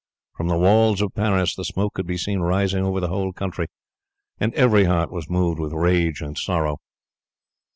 From the walls of Paris the smoke could be seen rising over the whole country, and every heart was moved with rage and sorrow.